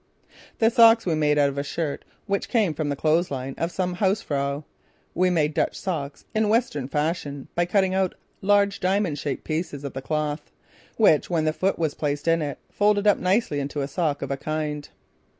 The socks we made out of a shirt which came from the clothes line of some haus frau. We made "dutch" socks in Western fashion by cutting out large diamond shaped pieces of the cloth, which when the foot was placed on it, folded up nicely into a sock of a kind.